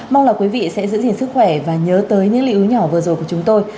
mong là quý vị sẽ giữ gìn sức khỏe và nhớ tới những lý nhỏ vừa rồi của chúng tôi